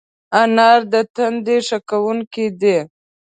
انار د تندي ښه کوونکی دی.